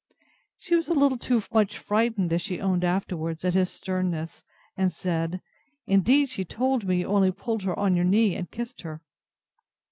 She was a little too much frightened, as she owned afterwards, at his sternness, and said, Indeed she told me you only pulled her on your knee, and kissed her.